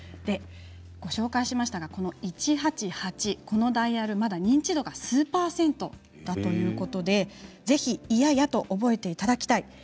ご紹介しましたが１８８このダイヤル、まだ認知度が数％ということでぜひ１８８いややと覚えていただきたい。